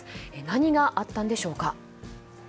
何があったんでしょうか。